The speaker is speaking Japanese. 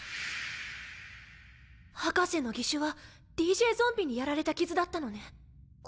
博士の義手はＤＪゾンビにやられた傷だったのね。